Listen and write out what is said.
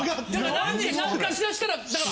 何かしらしたらだから。